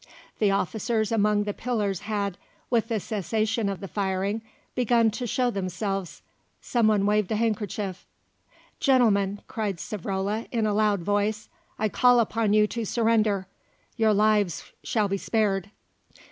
The officers among the pillars had, with the cessation of the firing, begun to show themselves; someone waved a handkerchief. "Gentlemen," cried Savrola in a loud voice, "I call upon you to surrender. Your lives shall be spared."